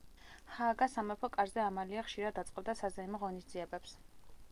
ჰააგას სამეფო კარზე ამალია ხშირად აწყობდა საზეიმო ღონისძიებებს.